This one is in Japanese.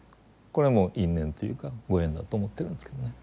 これはもう因縁というかご縁だと思ってるんですけどね。